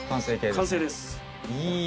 完成です。